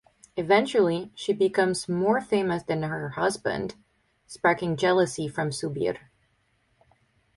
Eventually, she becomes more famous than her husband, sparking jealousy from Subir.